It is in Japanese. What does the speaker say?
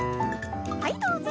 はいどうぞ。